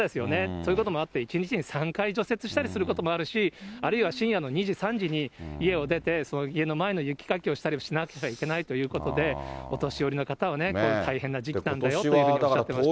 そういうこともあって、１日に３回除雪したりすることもあるし、あるいは深夜の２時、３時に家を出て、家の前の雪かきをしたりしなきゃいけないということで、お年寄りの方はね、大変な時期なんだよというふうにおっしゃってました。